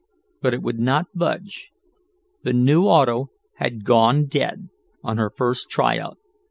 But it would not budge. The new auto had "gone dead" on her first tryout.